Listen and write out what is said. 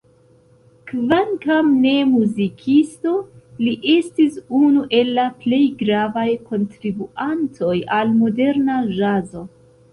Kvankam ne muzikisto, li estis unu el la plej gravaj kontribuantoj al moderna ĵazo.